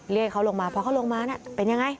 เรียกเขาลงมาพอเขาลงมาเป็นยังไง